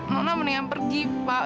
nona mendingan pergi pak